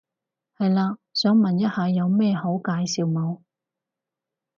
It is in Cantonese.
係嘞，想問一下有咩好介紹冇？